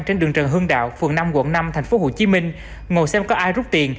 trên đường trần hưng đạo phường năm quận năm tp hcm ngồi xem có ai rút tiền